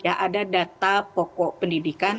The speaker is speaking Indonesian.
ada data pokok pendidikan